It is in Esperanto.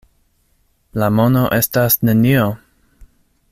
La mono estas nenio!